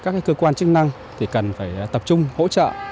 thứ ba nữa là các cơ quan chức năng cần phải tập trung hỗ trợ